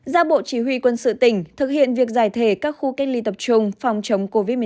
ra bộ chỉ huy quân sự tỉnh thực hiện việc giải thể các khu cách ly tập trung phòng chống covid một mươi chín